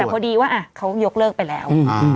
แต่พอดีว่าเขายกเลิกไปแล้ว